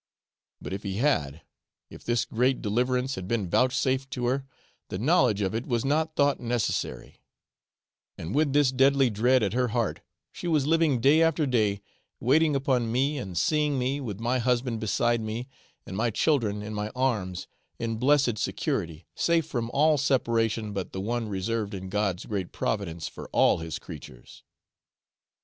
But if he had, if this great deliverance had been vouchsafed to her, the knowledge of it was not thought necessary; and with this deadly dread at her heart she was living day after day, waiting upon me and seeing me, with my husband beside me, and my children in my arms in blessed security, safe from all separation but the one reserved in God's great providence for all His creatures.